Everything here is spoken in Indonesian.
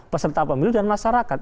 peserta pemilu dan masyarakat